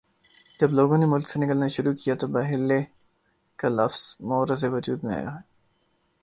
جب لوگوں نے ملک سے نکلنا شروع کیا تو باہرلے کا لفظ معرض وجود میں آیا